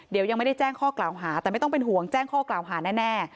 เดี๋ยวยังไม่ได้แจ้งข้อกล่าวหาแต่ไม่ต้องเป็นห่วงแจ้งข้อกล่าวหาแน่